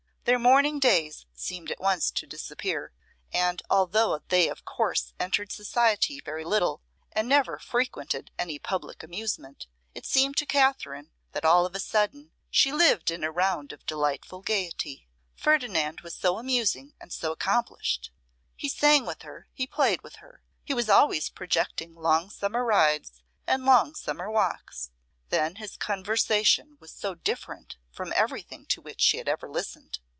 Their mourning days seemed at once to disappear; and although they of course entered society very little, and never frequented any public amusement, it seemed to Katherine that all of a sudden she lived in a round of delightful gaiety. Ferdinand was so amusing and so accomplished! He sang with her, he played with her; he was always projecting long summer rides and long summer walks. Then his conversation was so different from everything to which she had ever listened.